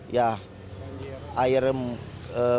dan juga penampungan air yang kurang